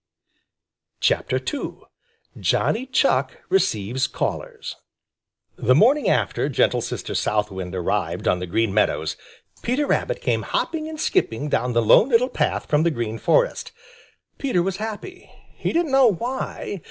II. JOHNNY CHUCK RECEIVES CALLERS The morning after gentle Sister South Wind arrived on the Green Meadows, Peter Rabbit came hopping and skipping down the Lone Little Path from the Green Forest. Peter was happy. He didn't know why.